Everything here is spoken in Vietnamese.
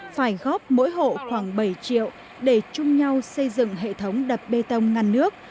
phải góp mỗi hộ khoảng bảy triệu để chung nhau xây dựng hệ thống đập bê tông ngăn nước